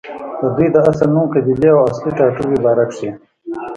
ددوي د اصل نوم، قبيلې او اصلي ټاټوبې باره کښې